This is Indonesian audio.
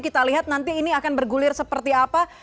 kita lihat nanti ini akan bergulir seperti apa